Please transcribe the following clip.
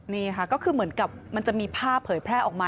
นี่ค่ะก็คือเหมือนกับมันจะมีภาพเผยแพร่ออกมา